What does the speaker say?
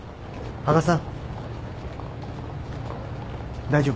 羽賀さん！